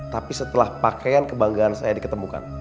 tapi setelah pakaian kebanggaan saya diketemukan